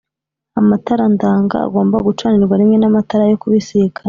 Amatara ndanga agomba gucanirwa rimwe n amatara yo kubisikana.